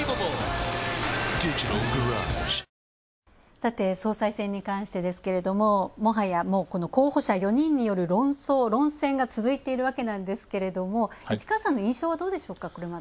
さて総裁選に関してですが、もはや候補者４人による、論争、論戦が続いているわけなんですが市川さんの印象はどうでしょうか。